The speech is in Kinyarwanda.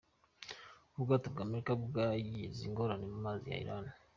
Ubwato bwa Amerika bwagize ingorane mu mazi ya Iran.